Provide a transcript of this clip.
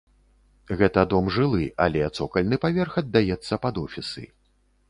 Гэта дом жылы, але цокальны паверх аддаецца пад офісы.